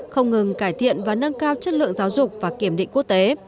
không ngừng cải thiện và nâng cao chất lượng giáo dục và kiểm định quốc tế